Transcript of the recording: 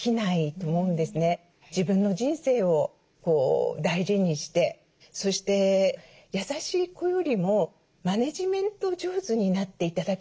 自分の人生を大事にしてそして優しい子よりもマネジメント上手になって頂きたいなと思うんです。